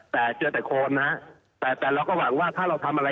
แต่เจอแต่โคนนะฮะแต่แต่เราก็หวังว่าถ้าเราทำอะไร